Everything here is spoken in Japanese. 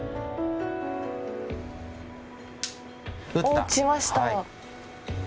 おっ打ちました。